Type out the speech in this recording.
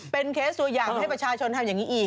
เป็นเคสตัวอย่างให้ประชาชนทำอย่างนี้อีก